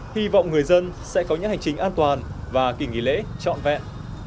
hy vọng người dân sẽ có những hành trình an toàn và kỳ nghỉ lễ trọn vẹn